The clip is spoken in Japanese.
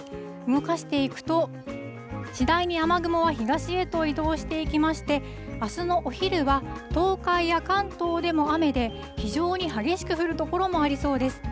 動かしていくと、次第に雨雲は東へと移動していきまして、あすのお昼は東海や関東でも雨で、非常に激しく降る所もありそうです。